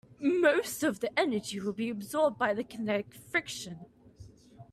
Most of the energy will be absorbed by kinetic friction.